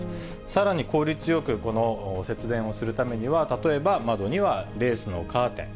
さらに、効率よくこの節電をするためには、例えば、窓にはレースのカーテン。